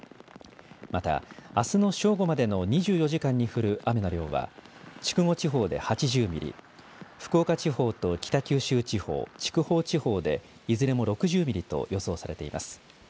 また、あすの正午までの２４時間に降る雨の量は筑後地方で８０ミリ福岡地方と北九州地方筑豊地方でいずれも６０ミリと予想されています。